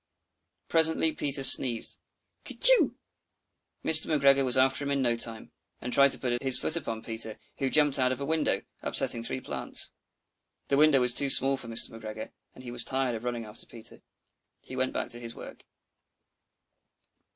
Presently Peter sneezed "Kertyschoo!" Mr. McGregor was after him in no time, and tried to put his foot upon Peter, who jumped out of a window, upsetting three plants. The window was too small for Mr. McGregor, and he was tired of running after Peter. He went back to his work.